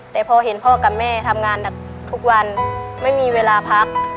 แต่พอเห็นพ่อกับแม่ทำงานหนักทุกวันไม่มีเวลาพัก